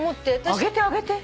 あげてあげて。